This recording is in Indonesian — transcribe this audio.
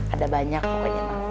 ada banyak pokoknya